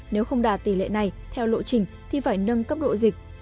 nếu không đạt tỷ lệ này theo lộ trình thì phải nâng cấp độ dịch